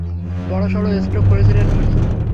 বড়সড় স্ট্রোক করেছিলেন উনি।